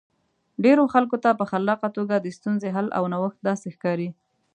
ډېرو خلکو ته په خلاقه توګه د ستونزې حل او نوښت داسې ښکاري.